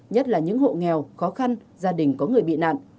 nhất là những hộ nghèo khó khăn gia đình có người bị nạn